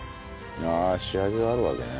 ああ仕上げがあるわけね。